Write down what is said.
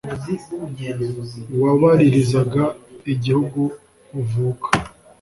Wabaririzaga igihugu uvuka